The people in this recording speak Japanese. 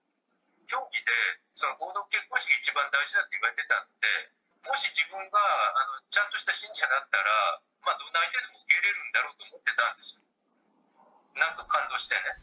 教義で合同結婚式が一番大事だって言われてたので、もし自分がちゃんとした信者だったら、どんな相手でも受け入れるんだろうと思ってたんです、なんか感動してね。